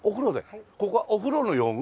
ここはお風呂の用具？